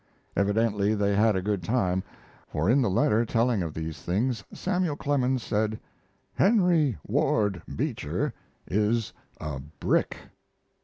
Evidently they had a good time, for in the letter telling of these things Samuel Clemens said: "Henry Ward Beecher is a brick."